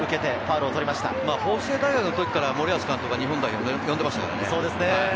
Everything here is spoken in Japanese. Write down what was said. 法政大学の時から森保監督は日本代表に呼んでいましたからね。